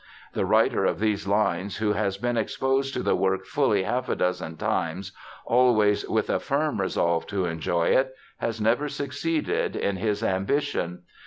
The writer of these lines, who has been exposed to the work fully half a dozen times always with a firm resolve to enjoy it, has never succeeded in his ambition.